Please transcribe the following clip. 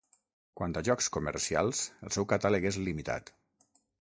Quant a jocs comercials el seu catàleg és limitat.